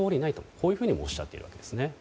こういうふうにもおっしゃっています。